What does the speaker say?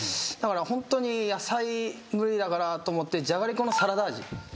ホントに野菜無理だからと思ってじゃがりこのサラダ味。は？